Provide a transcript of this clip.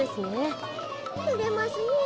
てれますねえ。